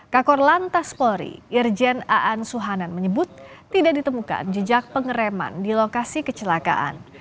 kakor lantas polri irjen aan suhanan menyebut tidak ditemukan jejak pengereman di lokasi kecelakaan